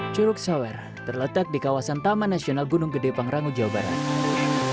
curug sawer terletak di kawasan taman nasional gunung gede pangrango jawa barat